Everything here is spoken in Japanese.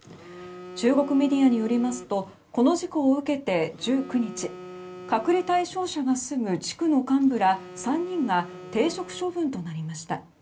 中国メディアによりますとこの事故を受けて、１９日隔離対象者が住む地区の幹部ら３人が停職処分となりました。